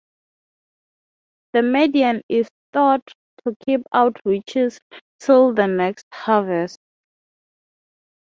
The Maiden is thought to keep out witches till the next harvest.